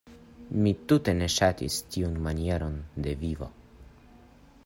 Mi tute ne ŝatis tiun manieron de vivo.